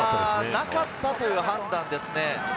なかったという判断ですね。